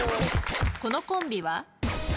このコンビは？